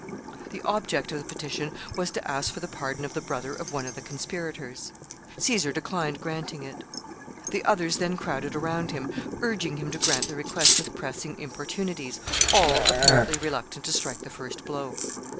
The object of the petition was to ask for the pardon of the brother of one of the conspirators. Caesar declined granting it. The others then crowded around him, urging him to grant the request with pressing importunities, all apparently reluctant to strike the first blow.